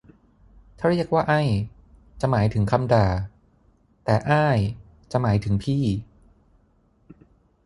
ถ้าเรียกว่าไอ้ จะหมายถึงคำด่า แต่อ้ายจะหมายถึงพี่